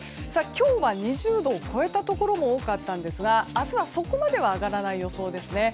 今日は２０度を超えたところも多かったんですが明日はそこまでは上がらない予想です。